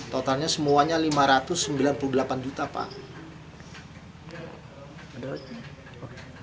totalnya semuanya lima ratus sembilan puluh delapan juta pak